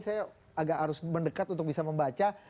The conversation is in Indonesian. saya agak harus mendekat untuk bisa membaca